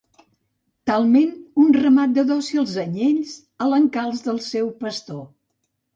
Talment un ramat de dòcils anyells a l'encalç del seu pastor.